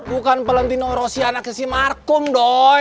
bukan valentino rossi anaknya si markum doi